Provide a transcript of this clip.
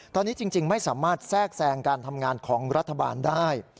ตอนนี้จริงไม่สามารถแทรกแทรงการทำงานของรัฐบาลได้